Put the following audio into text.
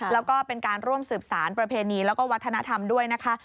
แล้วก็เป็นการร่วมสืบสารประเพณีแล้วก็วัฒนธรรมด้วยนะคะ